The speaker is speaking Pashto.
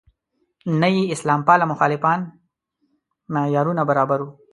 نه یې اسلام پاله مخالفان معیارونو برابر وو.